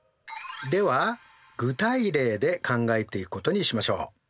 では具体例で考えていくことにしましょう。